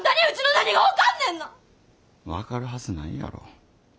分かるはずないやろ。